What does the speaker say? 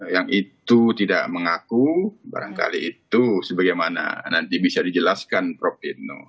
yang itu tidak mengaku barangkali itu sebagaimana nanti bisa dijelaskan prof ibnu